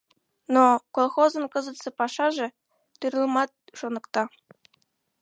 Но... колхозын кызытсе пашаже тӱрлымат шоныкта.